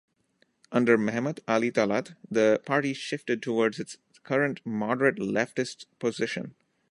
Under Mehmet Ali Talat, the party shifted towards its current moderate leftist position.